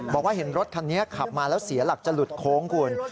บอกว่าเห็นรถคันนี้ขับมาแล้วเสียหลักจะหลุดโค้งคุณ